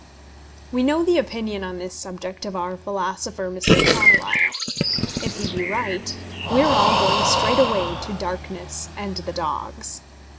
We know the opinion on this subject of our philosopher Mr. Carlyle. If he be right, we are all going straight away to darkness and the dogs.